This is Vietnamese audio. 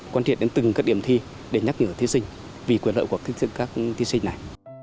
quan trị đến từng các điểm thi để nhắc nhở thí sinh vì quyền lợi của các thí sinh này